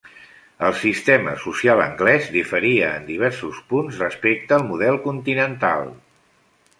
El sistema social anglès diferia en diversos punts respecte al model continental.